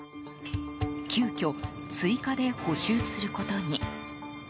急きょ、追加で補修することに。